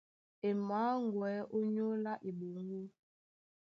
E mǎŋgwɛ̌ ónyólá eɓoŋgó.